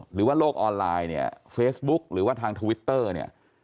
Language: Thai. หรือว่าโลกออนไลน์เนี่ยเฟซบุ๊กหรือว่าทางทวิตเตอร์เนี่ย